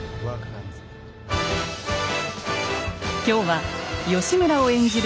今日は義村を演じる